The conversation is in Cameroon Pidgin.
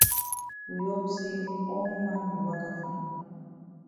We hope say all man be waka fine.